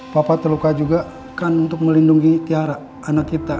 papa terluka juga kan untuk melindungi tiara anak kita